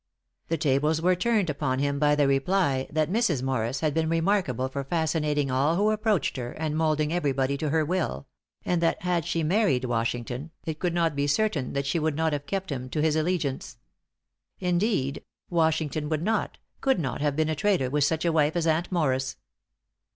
The tables were turned upon him by the reply, that Mrs. Morris had been remarkable for fascinating all who approached her, and moulding everybody to her will; and that had she married Washington, it could not be certain that she would not have kept him to his allegiance. "Indeed, Washington would not, could not have been a traitor with such a wife as Aunt Morris."